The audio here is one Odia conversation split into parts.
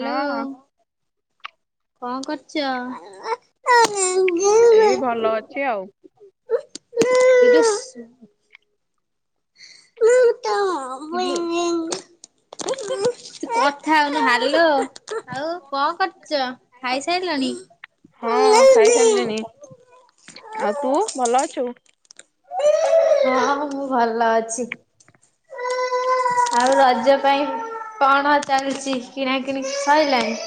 ହଁ କଣ ଏଇ ଭଲ ଅଛି ଆଉ କରୁଛ? [unintelligible] ତୁ [unintelligible] କଥା ହଉନି ହାଲୋ ଆଉ କଣ କରୁଛ ଖାଇସାରିଲଣି? ହଁ ଖାଇସାରିଲିଣି। ଆଉ ତୁ ଭଲ ଅଛୁ? ହଁ, ମୁଁ ଭଲ ଅଛି। ଆଉ ରଜ ପାଇଁ କଣ ଚାଲିଛି? କିଣା କିିଣି ସଇିଲାଣି?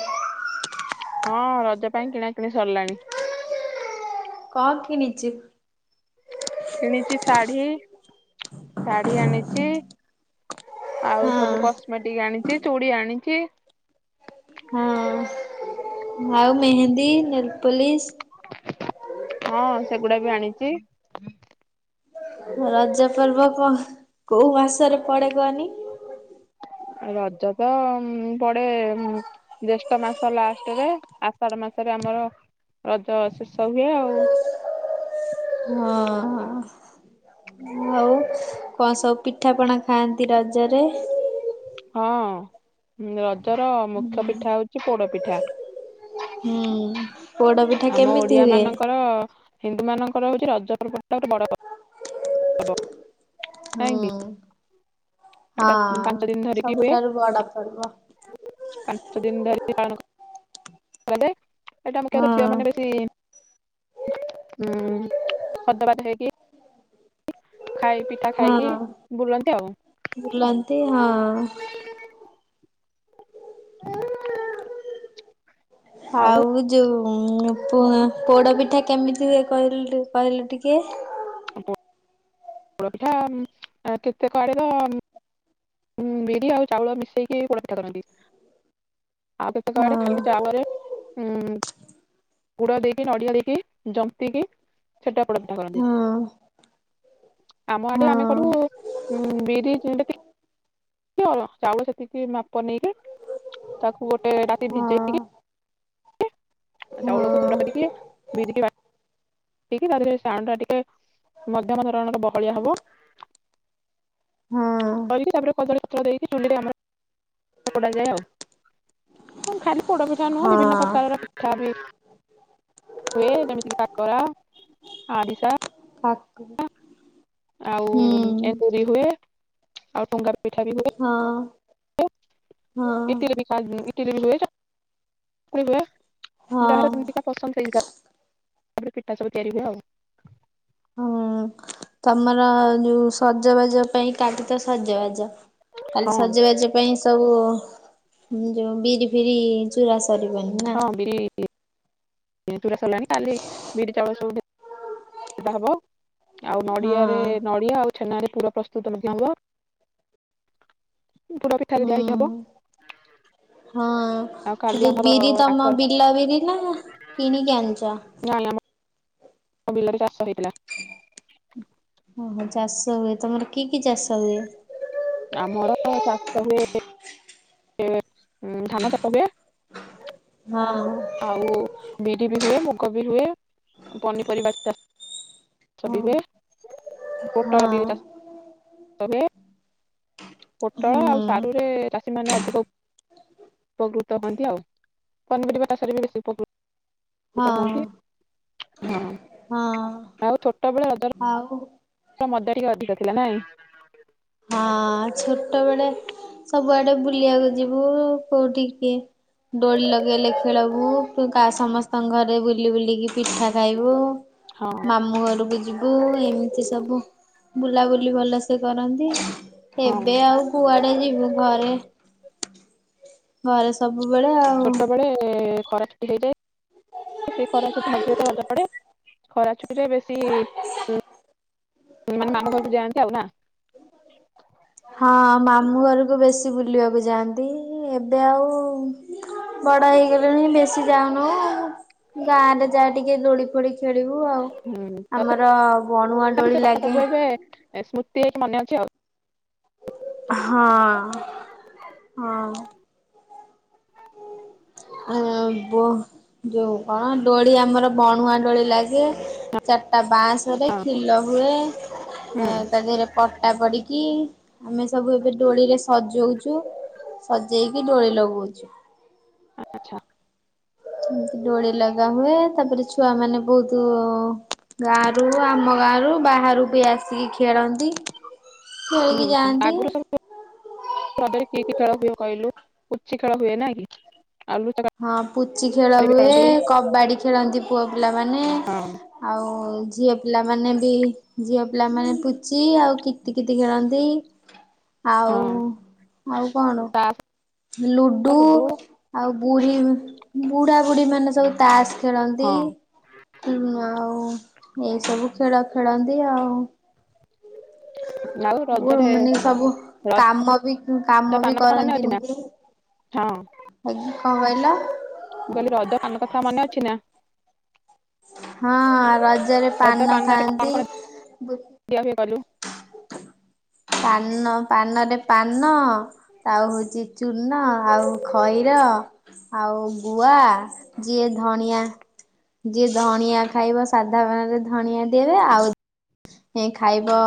ହଁ ରଜ ପାଇଁ କିଣା କିିଣି ସରିଲାଣି। କଁ କିଣିଚୁ? କିଣିଛି ଶାଢୀ, ଶାଢୀ ଆଣିଛି। ଆଉ ହଁ। ସବୁ କସ୍ମେଟିକ ଆଣିଛି, ଚୁଡି ଆଣିଛି। ହଁ। ଆଉ ମେହେନ୍ଦୀ, ନେଲପଲିସ? ହଁ ସେଗୁଡା ବି ଆଣିଛି। ରଜପର୍ବ କ କୋଉ ମାସରେ ପଡେ କହନି? ରଜ ତ ପଡେ ଜ୍ୟେଷ୍ଠ ମାସ ଲାଷ୍ଟରେ ଆଷାଢ ମାସରେ ଆମର ରଜ ଶେଷ ହୁଏ ଆଉ। ହଁ। ଆଉ କଣ ସବୁ ପିଠାପଣା ଖାଆନ୍ତି ରଜରେ? ହଁ। ରଜର ହୁଁ ମୁଖ୍ୟପିଠା ହଉଛି ପୋଡପିଠା। ହୁଁ ପୋଡ ପିଠା ଆମ କେମିତି ହୁଏ? ଓଡିଆମାନଙ୍କର, ହିନ୍ଦୁମାନଙ୍କର ହଉଛି ରଜପର୍ବ ଗୋଟେ ବଡ ପର୍ବ ନାଇଁ ହୁଁ କି? ହଁ ଏଇଟା ପାଞ୍ଚ ଦିନ ସବୁଠାରୁ ବଡପର୍ବ। ପାଞ୍ଚଦିନ ଧରି ପାଳନ କରାଯାଏ। ଏଇଟା ମୁଖ୍ୟତଃ ହଁ ଝିଅମାନେ ବେଶି ସଧବା ସ୍ତ୍ରୀ ବି ହୁଁ ଖାଇ ପିଠା ଖାଇକି ବୁଲନ୍ତି ଆଉ। ବୁଲନ୍ତି ହଁ। [inaudible] ଆଉ ଯୋଉ ପୋ ପୋଡପିଠା କେମିତିହୁଏ କହିଲ କହିଲୁ ଟିକେ? କି ପୋଡପିଠା କେତେ କୁଆଡେ ତ ଉଁ ବିରି ଆଉ ଚାଉଳ ମିଶେଇକି ପୋଡ଼ ପିଠା କରନ୍ତି ଆଉ କେତେକ ହଁ ଘରେ ଖାଲି ଚାଉଳରେ ହୁଁ। ଗୁଡ ଦେଇକି ନଡିଆ ଦେଇକି ଜନ୍ତିକି ଛେନା ପୋଡ଼ନ୍ତି ପିଠା ହଁ କରନ୍ତି ଆମ ହଁ ଆଡେ ଆମେ କରୁ ଉଁ ବିରି ଯେମିତି କି- [unintelligible] ଚାଉଳ ସେତିକି ମାପ ନେଇକି ତାକୁ ଗୋଟେ ରାତି ଭିଜେଇକି - ହଁ ଆ ଚାଉଳକୁ ଗୁଣ୍ଡା ହଁ କରିକି ବିରିକି ବାଟ ଦେଇକି ତା ଦେହରେ ସେ ଆଣଟା ଟିକେ ମଧ୍ୟମ ଧରଣର ବହଳିଆ ହବ। ହଁ। କରିକି ତାପରେ କଦଳୀପତ୍ର ଦେଇକି ଚୁଲିରେ ଆମର ପୋଡ଼ାଯାଏ ଆଉ। ହୁଁ ଖାଲି ପୋଡପିଠା ନୁହଁ ବିଭିନ୍ନ ହଁ ପ୍ରକାରର - ପିଠା ବି ହୁଏ ଯେମିତି କି କାକରା, ଆରିସା କାକ ଆଉ ଏଣ୍ଡୁରୀ ହୁଏ ଆଉ ଟୁଙ୍ଗା ପିଠା ବି ହୁଏ। ହଁ ହଁ ହୁଏ ଇଟିଲି ବି ଖାନ୍ ଇଟିଲି ବି ହୁଏ। ଚକୁଳି ହୁଏ ହଁ ଯାହାର ଯେମିତିକା ପସନ୍ଦ ସେଇ ହିସାବରେ ପିଠା ସବୁ ତିଆରି ହୁଏ ଆଉ। ହୁଁ ତମର ଯୋଉ ସଜବାଜ ପାଇଁ କାଲି ତ ସଜବାଜ କାଲି ହଁ ସଜବାଜ ସେ ପାଇଁ ସବୁ ଯୋଉ ବିରି ଫିରି ଚୁରା ସରିବନି ନା? ହଁ ବିରି ଚୁରା ସରିଲାଣି କାଲି ବିରି ଚାଉଳ ସବୁ ସେଟା ହବ ଆଉ ନଡିଆରେ ହଁ ନଡିଆ ଆଉ - ଛେନାରେ ପୁର ପ୍ରସ୍ତୁତ ମଧ୍ୟ ହବ ପୁର ପିଠାରେ ହୁଁ ଦିଆହେଇକି ହବ। ହଁ ଆଉ ସେ କାଲି ଯୋଉ ଆମର ବିରି ତମ କାକରା ବିଲ ବିରି ନା କିଣିକି ଆଣିଛ? ନାଁ ନାଁ ଆମର ଆମ ବିଲରେ ଚାଷ ହେଇଥିଲା। ଓହୋ ଚାଷ ହୁଏ ତମର କି କି ଚାଷ ହୁଏ? ଆମର ଚାଷ ହୁଏ ଉଁ ଧାନ ଚାଷ ହୁଏ। ହଁ। ଆଉ ବିରି ବି ହୁଏ ମୁଗ ବି ହୁଏ ପନିପରିବା ଚା ଷ ହଁ ବି ହୁଏ ହଁ ପୋଟଳ ବି ଚାଷ ହଁ ଷ ହୁଏ ପୋଟଳ ଆଉ ସାରୁରେ ହୁଁ ଚାଷୀ ମାନେ ଅଧିକ - ଉପକୃତ ହୁଅନ୍ତି ଆଉ ପନିପରିବା ଚାଷରେ ବି ବେଶୀ ଉପକୃତ - ହଁ। ହଁ ହଁ ଆଉ ଛୋଟବେଳେ ରଜରେ ଆଉ ମଦ ଟିକେ ଅଧିକ ଥିଲା ନାଇଁ। ଆ ଛୋଟବେଳେ ସବୁଆଡେ ବୁଲିବାକୁ ଯିବୁ କୋଉଠି କିଏ ଡୋଳି ଲଗେଇଲେ ଖେଳବୁ ପୁ ସମସ୍ତଙ୍କ ଘରେ ବୁଲି ବୁଲିକି ପିଠା ଖାଇବୁ ହଁ ମାମୁଁ ଘରକୁ ଯିବ ବୁ ଆଉ ଏମିତି ସବୁ ବୁଲାବୁଲି ଭଲସେ କରନ୍ତି ହଁ ଏବେ ଆଉ କୁଆଡେ ଯିବୁ ଘରେ ଘରେ ସବୁବେଳେ ଆ ଛୋଟବେଳେ ଖରା ଛୁଟି ହେଇଯାଏ ସେଇ ଖରା ଛୁଟି ମଝିରେ ତ ରଜ ପଡେ ଖରା ଛୁଟିରେ ବେଶୀ ମାନେ ମାମୁଁ ଘରକୁ ଯାଆନ୍ତି ଆଉ ନା। ହଁ ମାମୁଁ ଘରକୁ ବେଶୀ ବୁଲିବାକୁ ଯାଆନ୍ତି ଏବେ ଆଉ ବଡ ହେଇଗଲେଣି ବେଶୀ ଯାଉନୁ ଗାଁରେ ଯାହା ଟିକେ ଦୋଳି ଫୋଳି ଖେଳିବୁ ଆଉ। ହୁଁ ଆମର ବଣୁଆ ଡୋଳି ଲାଗେ। ଏ ସ୍ମୃତି ହେଇକି ମନେ ଅଛି ଆଉ। ହଁ ହଁ। ଆ ବୋ ଯୋଉ କଣ ଦୋଳି ଆମର ବଣୁଆ ଡୋଳି ଲାଗେ ଚାରିଟା ବାଁଶ୍ ରେ ହଁ ଖିଲ ହୁଏ ଆ ହୁଁ ତା ଦେହେରେ ପଟା ପଡିକି ଆମେ ସବୁ ଏବେ ଡୋଳିରେ ସଜଉଚୁ। ସଜେଇକି ଦୋଳି ଲଗଉଛୁ। ଆଛା। ଡୋଳି ଲଗା ହୁଏ, ତାପରେ ଛୁଆ ମାନେ ବହୁତ ଗାଁ ରୁ ଆମ ଗାଁରୁ ବାହାରୁ ବି ଆସିକି ଖେଳନ୍ତି। ଖେଳିକି ହୁଁ ଯାଆନ୍ତି। ଆଗରୁ ତ କି କି ଖେଳ ହୁଏ କହିଲୁ? ପୁଚି ଖେଳ ହୁଏ ନା କି? ଆଉ ଲୋଚ କାଳି ହଁ ପୁଚି ଖେଳ ବି ହୁଏ, ଖେଳନ୍ତି କବାଡି ଖେଳନ୍ତି ପୁଅ ପିଲାମାନେ। ହଁ ଆଉ ଝିଅ ପିଲାମାନେ ବି ଝିଅ ପିଲାମାନେ ପୁଚି ଆଉ, କିତି କିତି ଖେଳନ୍ତି। ହଁ ଆଉ ଆଉ କଣ ତାସ ଲୁଡୁ ଆଉ ବୁଢ଼ୀ ବୁଢା ବୁଢୀ ମାନେ ସବୁ ତାସ୍ ଖେଳନ୍ତି ହଁ ଆଉ, ଏଇସବୁ ଖେଳ ଖେଳନ୍ତି ଆଉ। ଆଉ ରଜରେ ମାନେ ସବୁ ରଜ କାମ ବି କାମ ବି ପାନ କଥା ମନେ ଅଛି ନା କରନ୍ତିନି କେହି। ହଁ ଅ ଆଜି କଁ କହିଲ? ମୁଁ କହିଲି ରଦ ପାନ କଥା ମନେ ଅଛି ନା? ହଁ ରଜରେ ପାନ ଖାଆନ୍ତି। ଖିଆ ପିଆ କଲୁ। ପାନ ପାନରେ ପାନ ଆଉ ହଉଛି ଚୂନ ଆଉ ଖଇର। ଆଉ ଗୁଆ ଯିଏ ଧଣିଆ ଯିଏ ଧଣିଆ ଖାଇବ, ସାଧା ପାନରେ ଧଣିଆ ଦେବେ ଆଉ ଖାଇବ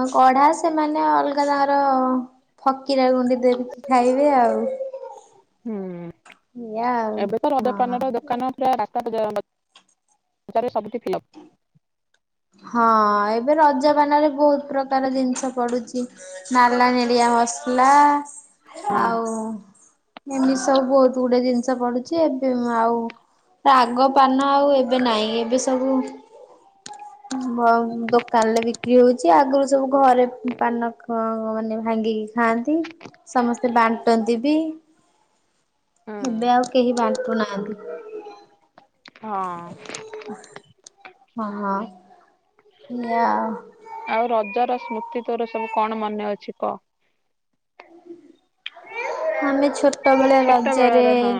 ହଁ କଢା ସେମାନେ ଅଲଗା ତାଙ୍କର ଫକିରା ଗୁଣ୍ଡି ଦେବକି ଖାଇବେ ଆଉ। ହୁଁ ଏଇଆ ଆଉ ଏବେ ତ ହଁ। ରଜପାନର ଦୋକାନ ପୁରା ରାସ୍ତା [inaudible] ସବୁଠି ଫିଲ୍ଅପ୍। ହଁ ଏବେ ରଜ ପାନ ରେ ବହୁତ ପ୍ରକାର ଜିନିଷ ପଡୁଛି। ନାଲା, ନେଳିଆ ମସଲା ହଁ ଆଉ। ଏମିତି ସବୁ ବହୁତ ଗୁଡେ ଜିନିଷ ପଡୁଛି ଏବେ ଆଉ ଆଗ ପାନ ଆଉ ଏବେ ନାଇଁ ଏବେ ସବୁ ଦୋକାନ ରେ ବିକ୍ରି ହଉଛି, ଆଗରୁ ସବୁ ଘରେ ପାନ ମାନେ ଭାଙ୍ଗିକି ଖାଆନ୍ତି ସମସ୍ତେ ବାଣ୍ଟନ୍ତି ବି। ହୁଁ ଏବେ ଆଉ କେହି ବାଣ୍ଟୁନାହାଁନ୍ତି। ହଁ ଅ ହଁ ହଁ ଏଆ ଆଉ ରଜର ସ୍ମୃତି ତୋର ସବୁ କଣ ମନେ ଅଛି କହ? ଆମେ ଛୋଟବେଳେଆ ଛୋଟ ରଜରେ ବେଳର ହଁ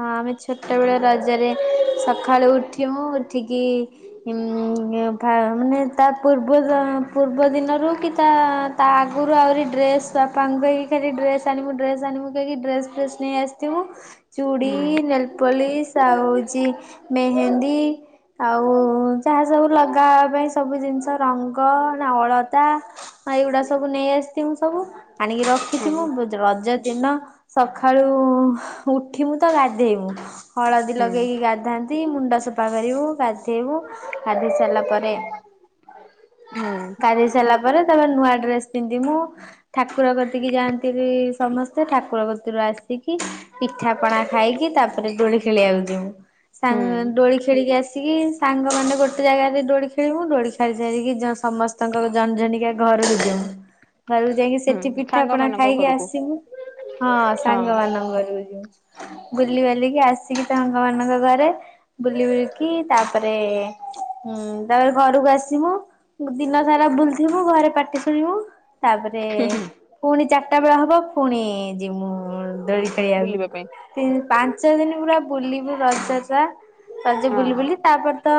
ହଁ ଆମେ ଛୋଟବେଳେ ରଜରେ ସକାଳୁ ଉଠିବୁ, ଉଠିକି ମାନେ ତା ପୂର୍ବ, ପୂର୍ବ ଦିନରୁ କି ତା ତା ଆଗରୁ ଆହୁରି ଡ୍ରେସ୍ ବାପାଙ୍କୁ କକ ଖଲି ଡ୍ରେ ଆଣମୁ ଡ୍ରେସ ଆଣମୁ କକି ଡ୍ରେସ ଫ୍ରେସ୍ ନେଇ ଆସି ତୁ ଚୁଡ଼ି ହୁଁ ନେଲପୋଲିସ ଆଉ ହଉଛି ମେହେନ୍ଦୀ, ଆଉ ଯାହା ସବୁ ଲଗାହବା ପାଇଁ ସବୁ ଜିନିଷ, ରଙ୍ଗ ନା ଅଳତା। ହଁ ଏଇଗୁଡା ସବୁ ନେଇ ଆସିଥିବୁ ସବୁ, ଆଣିକି ରଖ ଖଛି ହୁଁ ମୁ ରଜ ଦିନ ସକାଳୁ ଉଠିମୁ ତ ଗାଧେଇମୁ। ହଳଦୀ ହୁଁ ଲଗେଇକି ଗାଧାନ୍ତି, ମୁଣ୍ଡ ସଫା କରିବୁ, ଗା ଗାଧେଇବୁ, ଗାଧେଇ ସାରିଲା ପରେ, ହୁଁ ଗାଧି ସାରିଲା ପରେ ତା ତା ନୂଆ ଡ୍ରେସ ପିନ୍ଧି ମୁଁ ଠାକୁର କତିକିି ଯାଆନ୍ତି ବି ସମସ୍ତେ, ଠାକୁର କତିରୁ ଆସିକି ପିଠାପଣା ଖାଇକି, ତାପରେ ଦୋଳି ଖେଳିବାକୁ ଯିବୁ। ସାଙ୍ଗ ହୁଁ ଦୋଳି ଖେଳିକି ଆସିକି ସାଙ୍ଗମାନେେ ଗୋଟେ ଜାଗାରେ ଦୋଳି ଖେଳିବୁ, ଦୋଳି ଖେଳି ସାରିକି ସମସ୍ତେ ତାଙ୍କର ଜଣେ ଜଣିକା ଘରକୁ ଯିବୁ। ଘରକୁ ଯାଇକି ହୁଁ ସେଠି ସାଙ୍ଗ ପିଠାପଣା ମାନଙ୍କ ଖାଇକି ଘରକୁ। ଆସିବୁ, ହଁ ହଁ ସାଙ୍ଗ ମାନଙ୍କ ଘରକୁ ଯିବୁ। ବୁଲିିବାଲିକି ଆସିକି ସାଙ୍ଗ ମାନଙ୍କ ଘରେ ବୁଲି ବୁଲିକି ତାପରେ, ତାପରେ ଘରକୁ ଆସିବୁ। ଦିନ ସାରା ବୁଲିଥିବୁ ଘରେ ପାଟି ଶୁଣିବୁ- ତାପରେ ହୁଁ ହୁଁ ପୁଣି ଚାରିଟା ବେଳେ ହବ ପୁଣି ଜୀମୂ ଦୋଳି ବୁଲିବା ଖେଳିିବାକୁ। ପାଇଁ ତିନ, ପାଞ୍ଚ ଦିନ ପୁରା ବୁଲିବୁ ରଜ ଯାହା, ରଜ ହଁ ବୁଲି ବୁଲି ତାପରେ ତ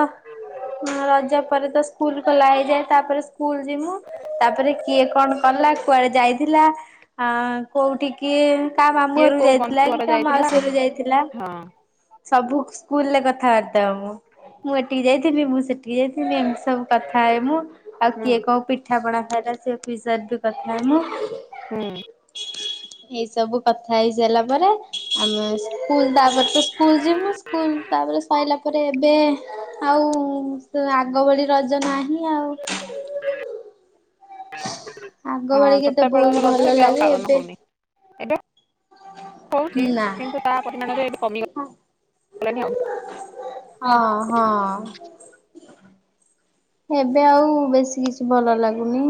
ରଜ ପରେ ତ ସ୍କୁଲ ଖୋଲା ହେଇଯାଏ, ତାପରେ ସ୍କୁଲ ଯିବୁ ତାପରେ କିଏ କଣ କଲା, କୁଆଡେ ଯାଇଥିଲା ଅ କୋଉଠିି କିଏ କାହା ମାମୁଁ କିଏ ଘରୁ କୋଉ ଯାଇଥିଲା ବନ୍ଧୁ ଘର କି କାହା ଯାଇଥିଲା ମାଉସୀ ଘର ଯାଇଥିଲା ହଁ ସବୁ ସ୍କୁଲ ରେ କଥାବାର୍ତାବ ହବୁ, ମୁଁ ଏଠିକି ଯାଇଥିବି, ମୁଁ ସେଠିକି ଯାଇଥିବି, ଏମିତି ସବୁ କଥା ହେମୁଁ, ଆଉ ହୁଁ କିଏ କୋଉ ପିଠା ପଣା ଖାଇଲା, ସେ ପି କଥା ମୁଁ। ହୁଁ ଏଇ ସବୁ କଥା ହେଇ ସାରିଲା ପରେ ଆମେ ସ୍କୁଲ ତାପରେ ତ ସ୍କୁଲ ଯିବୁ ସ୍କୁଲ ତାପରେ ସଇଲା ତାପରେ ଏବେ ଆଉ ଆଗ ଭଳି ରଜ ନାହିଁ। ଆଉ। ବ ଆଗ ଭଳି ହଁ କେତେ ଛୋଟା ବେଳ ବହୁତ ରଜ ଭଲ ଏବେ ଆଉ ଲାଗେ ପାଳନ ହଉନି। ଏବେ ହଉଛି। ନା କିନ୍ତୁ ତା ପରିମାଣରେ ଏବେ କମି ଗଲାଣି ଆଉ। ହଁ ହଁ। ଏବେ ଆଉ ବେଶୀ କିଛି ଭଲ ଲାଗୁନି।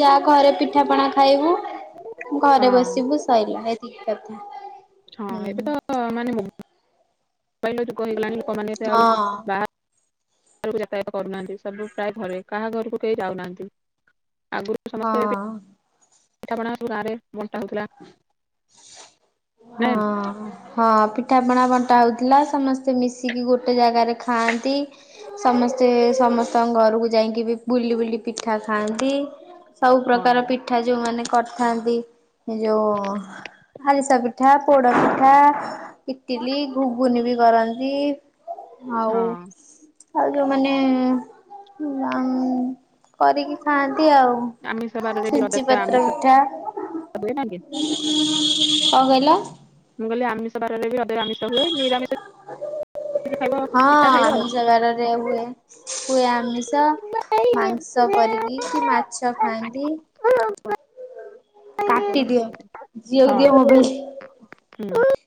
ଯାହା ଘରେ ପିଠାପଣା ଖାଇବୁ ଘରେ ହଁ ବସିବୁ ସଇଲା ହଁ ହୁଁ। ଏବେ ତ ମାନେ କହିଲ ଯୁଗ ହେଇଗଲାଣି ଲୋକମାନେ ଏ ହଁ ଆଉ ବା ଘରକୁ ଯାତାୟାତ କରୁନାହାନ୍ତି, ସବୁ ପ୍ରାୟ ଘରେ କାହା ଘରକୁ କେହି ଯାଉନାହାନ୍ତି। ଆଗୁ ହଁ। ପିଠାପଣା ରାଁରେ ମଣ୍ଟା ହଉଥିଲା ହଁ ନା ହଁ ପିଠାପଣା ବଣ୍ଟା ହଉଥିଲା ସମସ୍ତେ ମିଶିକି ଗୋଟେ ଜାଗାରେ ଖାଆନ୍ତି ସମସ୍ତେ ସମସ୍ତଙ୍କ ଘରକୁ ଯାଇକି ବି ବୁଲି ବୁଲି ପିଠା ଖାଆନ୍ତି ସବୁ ହଁ ପ୍ରକାର ପିଠା ପିଠା ଯୋଉମାନେ କରିଥାନ୍ତି ଯୋଉ ଆରିଷା ପିଠା, ପୋଡ ପିଠା, ଇଟିଲି ଘୁଗୁନି ବି କରନ୍ତି ଆଉ ହଁ ଆଉ ଯୋଉମାନେ, ଆଉଁ-କରିକି ଖଥାଆନ୍ତି, ଆଉ। ଆମିଷ ବାରରେ ବି ସୁଜି ରଜରେ ପତ୍ର ଆମିଷ ମିିଠା ହୁଏ ନା କି କଣ କହିଲ? ମୁଁ କହିଲିମି ଆମିଷ ବାର ରେ ବି ଆମିଷ ହୁଏ, ନିରାମିଷ ଖାଇବ ଆ ପିଠା ହଁ ଖାଇବ ଆଉ। ଆମିଷ ବାରରେ ହୁଏ, ହୁଏ ଆମିଷ। ମାଂସ କରିକି କି ମାଛ ଖାଆନ୍ତି। କାଟିଦିଅ ଝିଅ କୁ ଦିଅ ମୋବାଇଲ୍। ହ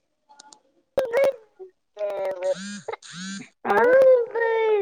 ହୁଁ ହୁଁ ଆଉ